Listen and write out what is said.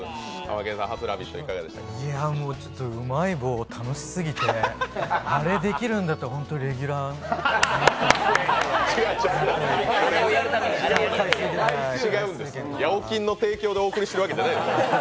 うまい棒楽しすぎて、あれできるんだったら、本当にレギュラー違うんです、やおきんの提供でやってるわけじゃないんです。